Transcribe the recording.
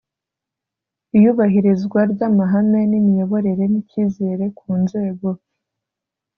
iyubahirizwa ry’amahame y’imiyoborere n’icyizere ku nzego